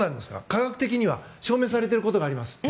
科学的には証明されていることがあります。